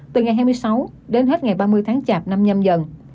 từ ngày hai mươi sáu đến hết ngày ba mươi tháng chạp năm nhâm dần